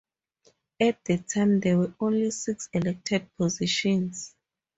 At the time there were only six elected positions.